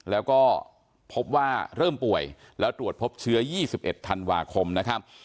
แล้วก็พบว่าเริ่มป่วยแล้วตรวจพบเชื้อ๒๑ธันวาคมนะครับ